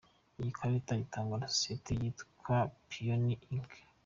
Iyi karita itangwa na Sosoyeti yitwa Payoneer Inc.